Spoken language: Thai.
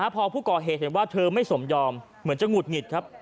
พอผู้ก่อเหตุเห็นว่าเธอไม่สมยอมเหมือนจะหุดหงิดครับ